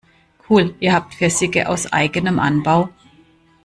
Cool, ihr habt Pfirsiche aus eigenem Anbau?